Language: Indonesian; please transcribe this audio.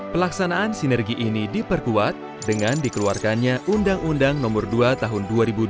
pelaksanaan sinergi ini diperkuat dengan dikeluarkannya undang undang nomor dua tahun dua ribu dua puluh